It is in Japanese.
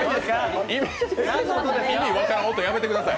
意味分からん音、やめてください。